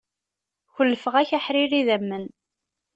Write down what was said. Kullfeɣ-ak aḥrir idamen.